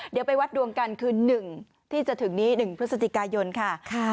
เดี๋ยวไปวัดดวงกันคือ๑ที่จะถึงนี้๑พฤศจิกายนค่ะ